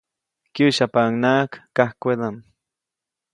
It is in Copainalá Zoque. Kyäsyapaʼuŋnaʼak kajkwedaʼm.